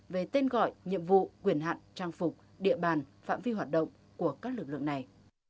về tên gọi nhiệm vụ quyền hạn trang phục địa bàn phạm vi hoạt động của các lực lượng này